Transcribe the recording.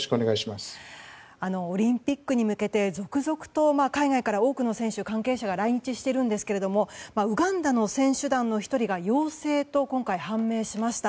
オリンピックに向けて続々と海外から多くの選手や関係者が来日していますがウガンダの選手団の１人が陽性と今回、判明しました。